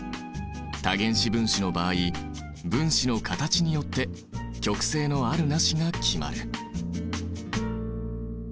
多原子分子の場合分子の形によって極性のあるなしが決まる。